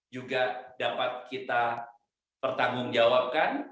juga dapat kita pertanggungjawabkan